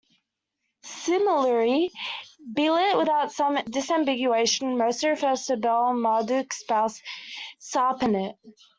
Similarly "Belit" without some disambiguation mostly refers to Bel Marduk's spouse Sarpanit.